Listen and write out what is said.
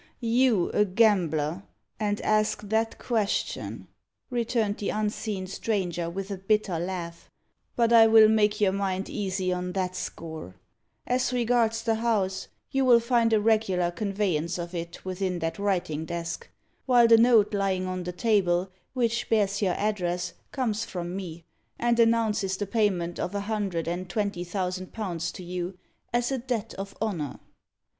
"You a gambler, and ask that question!" returned the unseen stranger, with a bitter laugh. "But I will make your mind easy on that score. As regards the house, you will find a regular conveyance of it within that writing desk, while the note lying on the table, which bears your address, comes from me, and announces the payment of a hundred and twenty thousand pounds to you, as a debt of honour.